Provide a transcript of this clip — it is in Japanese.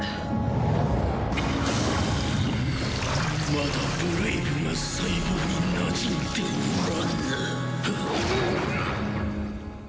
まだブレイブが細胞になじんでおらぬ。